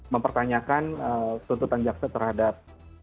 mempertanyakan tuntutan jaksa terhadap